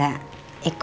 yang penting kamu